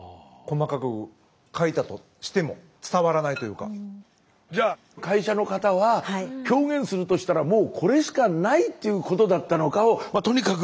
うん？じゃあ会社の方は表現するとしたらもうこれしかないっていうことだったのかをとにかく